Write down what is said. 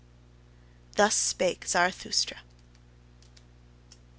Thus spake Zarathustra.